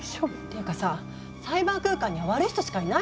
ていうかさサイバー空間には悪い人しかいないの？